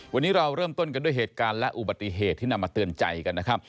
วันนี้เราเริ่มต้นกันด้วยเหตุการณ์และอุบัติเหตุที่นำมาเตือนใจกันนะครับ